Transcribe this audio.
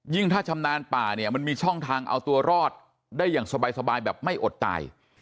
ถ้าชำนาญป่าเนี่ยมันมีช่องทางเอาตัวรอดได้อย่างสบายแบบไม่อดตาย